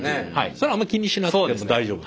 それはあまり気にしなくても大丈夫？